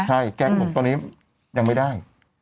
ใช่แก๊กบอกตอนนี้ยังไม่ได้